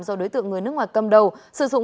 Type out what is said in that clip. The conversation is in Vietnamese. do đối tượng người nước ngoài cầm đầu